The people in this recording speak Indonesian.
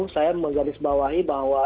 saya menggabisbawahi bahwa